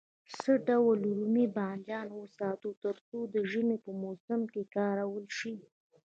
څه ډول رومي بانجان وساتو تر څو د ژمي په موسم کې کارول شي.